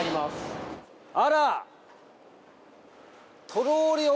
あら！